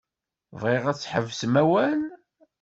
Bɣiɣ ad tḥebsed awal.